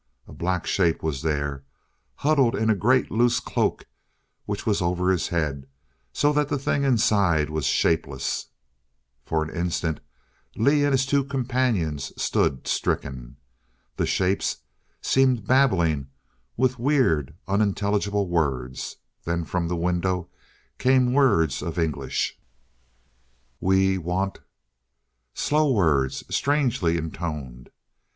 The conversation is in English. A black shape was there, huddled in a great loose cloak which was over the head so that the thing inside was shapeless. For an instant Lee and his two companions stood stricken. The shapes seemed babbling with weird unintelligible words. Then from the window came words of English: "_We want _" Slow words, strangely intoned.